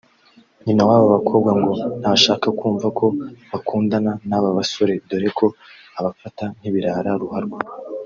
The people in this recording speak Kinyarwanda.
nyina w’aba bakobwa ngo ntashaka kumva ko bakundana n’aba basore dore ko abafata nk’ibirara ruharwa